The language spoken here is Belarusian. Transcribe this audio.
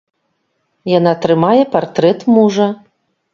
Яна трымае партрэт мужа.